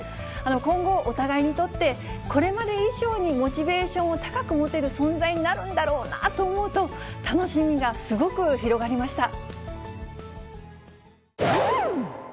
今後、お互いにとって、これまで以上にモチベーションを高く持てる存在になるんだろうなと思うと、楽しみがすごく広がりました。